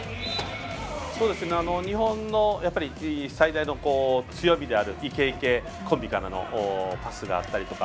日本の最大の強みであるイケ・イケコンビからのパスがあったりとか。